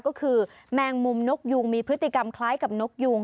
ก็คือแมงมุมนกยูงมีพฤติกรรมคล้ายกับนกยุง